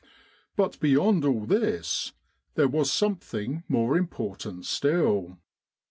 But beyond all this there was something more important still.